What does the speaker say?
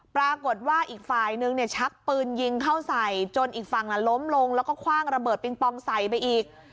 ปรากฏว่าอีกฝ่ายนึงเนี่ยชักปืนยิงเข้าใส่จนอีกฝั่งล้มลงแล้วก็คว่างระเบิดปิงปองใส่ไปอีก